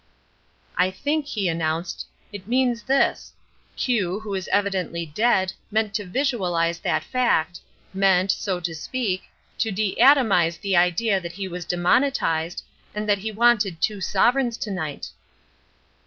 "I think," he announced, "it means this. Q, who is evidently dead, meant to visualise that fact, meant, so to speak, to deatomise the idea that he was demonetised, and that he wanted two sovereigns to night."